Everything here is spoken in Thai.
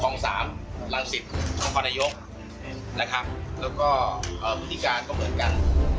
ของสามหลังสิบของควรยกนะครับแล้วก็เอ่อบุฏิการก็เหมือนกัน